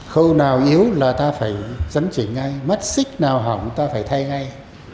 khâu nào yếu là ta phải dấn chỉnh ngay mất xích nào hỏng ta phải thay ngay